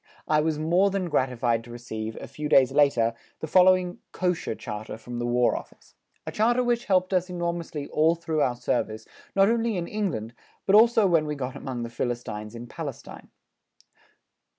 I was more than gratified to receive, a few days later, the following "Kosher" charter from the War Office a charter which helped us enormously all through our service, not only in England, but also when we got amongst the Philistines in Palestine.